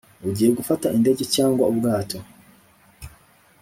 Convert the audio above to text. ugiye gufata indege cyangwa ubwato